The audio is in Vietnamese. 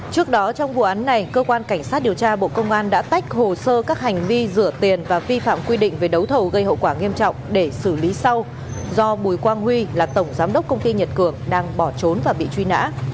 trước đó trong vụ án này cơ quan cảnh sát điều tra bộ công an đã tách hồ sơ các hành vi rửa tiền và vi phạm quy định về đấu thầu gây hậu quả nghiêm trọng để xử lý sau do bùi quang huy là tổng giám đốc công ty nhật cường đang bỏ trốn và bị truy nã